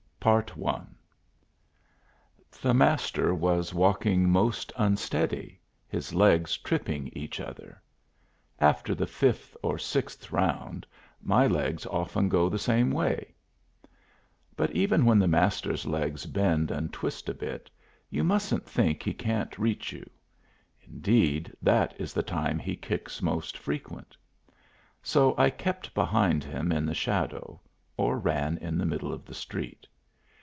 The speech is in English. PART I The Master was walking most unsteady, his legs tripping each other. After the fifth or sixth round, my legs often go the same way. But even when the Master's legs bend and twist a bit, you mustn't think he can't reach you. Indeed, that is the time he kicks most frequent. So I kept behind him in the shadow, or ran in the middle of the street.